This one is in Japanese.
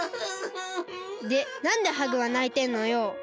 でなんでハグはないてんのよ！？